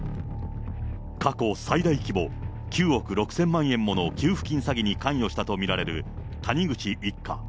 ９億６０００万円もの給付金詐欺に関与したと見られる谷口一家。